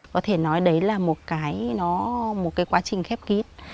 có thể nói đấy là một cái một cái quá trình khép kín